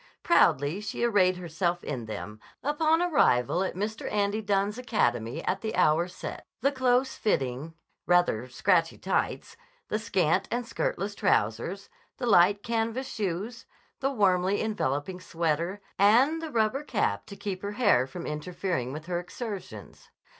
Proudly she arrayed herself in them, upon arrival at Mr. Andy Dunne's academy at the hour set; the close fitting, rather scratchy tights, the scant and skirtless trousers, the light canvas shoes, the warmly enveloping sweater, and the rubber cap to keep her hair from interfering with her exertions.